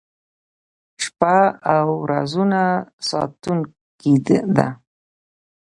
• شپه د رازونو ساتونکې ده.